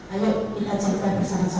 ayo kita carikan bersama sama